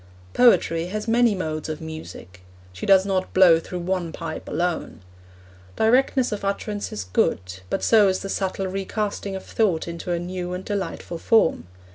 Poetry has many modes of music; she does not blow through one pipe alone. Directness of utterance is good, but so is the subtle recasting of thought into a new and delightful form.